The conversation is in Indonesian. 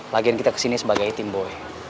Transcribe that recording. lagian kita kesini sebagai tim boy